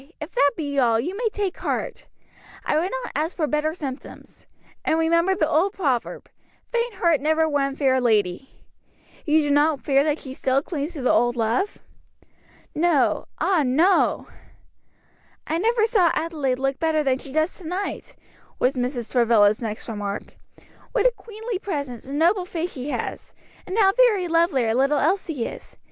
if that be all, you may take heart. I would not ask for better symptoms. And remember the old proverb 'Faint heart never won fair lady.' You do not fear that she still clings to the old love?" "No, ah no!" "I never saw Adelaide look better than she does to night," was Mrs. Travilla's next remark; "what a queenly presence, and noble face she has, and how very lovely our little Elsie is!